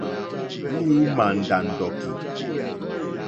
Lì ujmà ndàndòki.